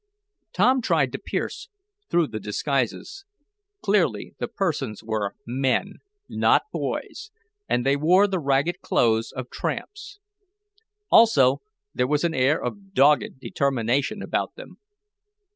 Tom tried to pierce through the disguises. Clearly the persons were men not boys and they wore the ragged clothes of tramps. Also, there was an air of dogged determination about them.